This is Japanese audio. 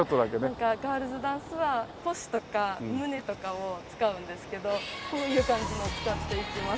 なんかガールズダンスは腰とか胸とかを使うんですけどこういう感じのを使っていきます。